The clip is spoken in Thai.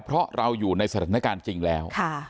เพราะเราอยู่ในสถานการณ์จริงแล้ว